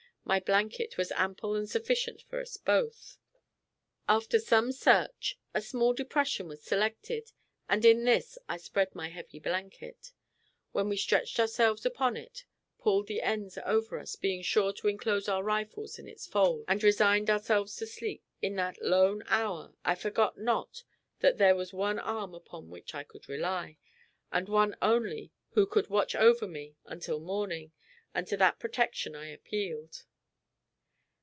My blanket was ample and sufficient for us both. After some search, a small depression was selected, and in this I spread my heavy blanket. We then stretched ourselves upon it, pulled the ends over us, being sure to inclose our rifles in its folds, and resigned ourselves to sleep. In that lone hour, I forgot not that there was one arm upon which I could rely, and One only who could watch over me until morning, and to that protection I appealed.